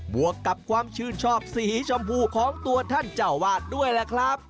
วกกับความชื่นชอบสีชมพูของตัวท่านเจ้าวาดด้วยล่ะครับ